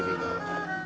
jadi kita harus berbual